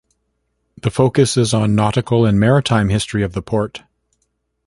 The focus is on nautical and maritime history of the port.